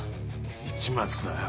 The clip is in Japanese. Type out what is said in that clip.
市松だよ。